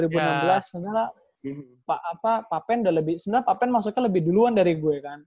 sebenernya pak pape udah lebih sebenernya pak pape maksudnya lebih duluan dari gue kan